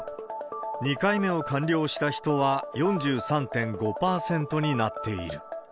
２回目を完了した人は４３．５％になっている。